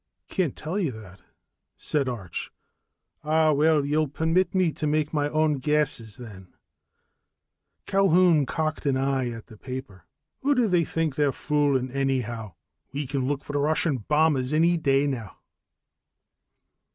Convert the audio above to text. "Can't tell you that," said Arch. "Aweel, you'll permit me to make my own guesses, then." Culquhoun cocked an eye at the paper. "Who do they think they're fooling, anyhow? We can look for the Russian bombers any day now."